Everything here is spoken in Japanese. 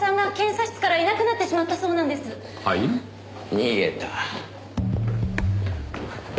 逃げた。